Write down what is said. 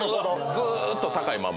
ずーっと高いまま。